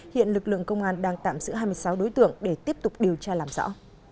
hiện lực lượng công an đang tạm giữ hai mươi sáu đối tượng để tiếp tục điều tra làm rõ